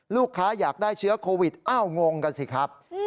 ลูกค้าอยากได้เชื้อโควิดเอ้างงกันสิครับ